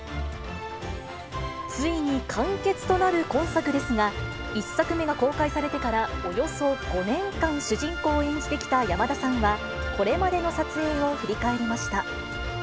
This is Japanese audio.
ついに完結となる今作ですが、１作目が公開されてからおよそ５年間、主人公を演じてきた山田さんは、これまでの撮影を振り返りました。